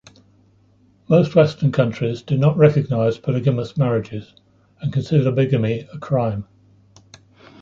Most western countries do not recognize polygamous marriages, and consider bigamy a crime.